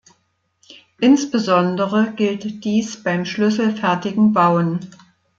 Insbesondere gilt dies beim schlüsselfertigen Bauen.